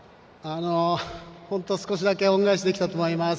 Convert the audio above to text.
少しだけ恩返しできたと思います。